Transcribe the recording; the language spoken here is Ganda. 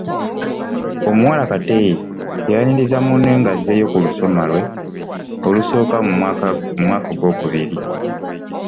Omuwala Kattei yayaniriza munne ng’azzeeyo ku lusoma lwe olusooka mu mwaka ogw’okubiri.